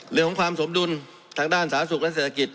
เรื่องของความสมดุลทางด้านสาธารณสุขและเศรษฐกิจ